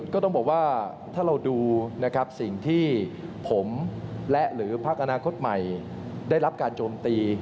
ก็ต้องบอกว่าถ้าเราดูนะครับสิ่งที่ผมและหรือพักอนาคตใหม่ได้รับการโจมตี